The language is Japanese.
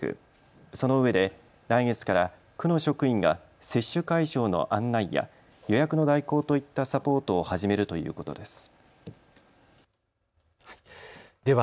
そのうえで来月から区の職員が接種会場の案内や予約の代行といったサポートを始めるということです。